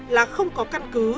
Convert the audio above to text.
là không có căn bộ